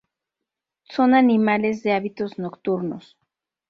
Son animales de hábitos nocturnos.